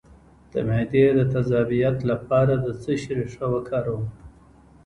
د معدې د تیزابیت لپاره د څه شي ریښه وکاروم؟